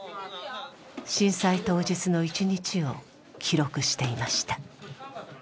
震災当日の一日を記録していました。